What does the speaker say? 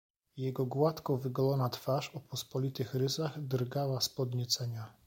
"Jego gładko wygolona twarz o pospolitych rysach drgała z podniecenia."